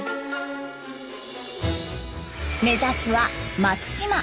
目指すは松島。